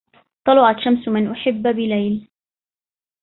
طلعت شمس من أحب بليل